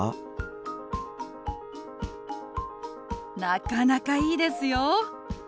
なかなかいいですよ。